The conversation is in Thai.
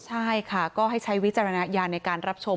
ใช่ค่ะก็ให้ใช้วิจารณญาณในการรับชม